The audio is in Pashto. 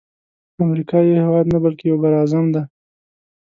امریکا یو هیواد نه بلکی یو بر اعظم دی.